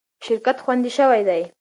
شرکت خوندي شوی دی.